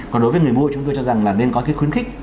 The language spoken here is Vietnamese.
còn đối với người mua chúng tôi cho rằng là nên có cái khuyến khích